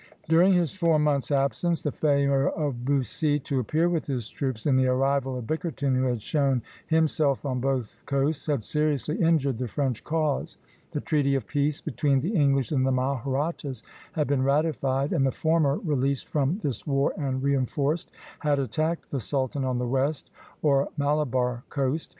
During his four months absence the failure of Bussy to appear with his troops, and the arrival of Bickerton, who had shown himself on both coasts, had seriously injured the French cause. The treaty of peace between the English and the Mahrattas had been ratified; and the former, released from this war and reinforced, had attacked the sultan on the west, or Malabar, coast.